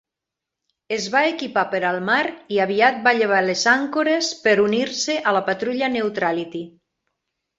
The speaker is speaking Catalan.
Es va equipar per al mar i aviat va llevar les àncores per unir-se a la patrulla Neutrality.